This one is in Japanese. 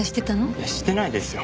いやしてないですよ。